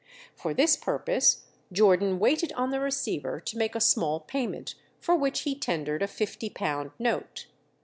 For this purpose Jordan waited on the receiver to make a small payment, for which he tendered a fifty pound note.